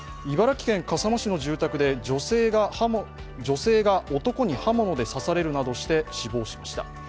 茨城県笠間市の住宅で女性が男に刃物で刺されるなどして死亡しました。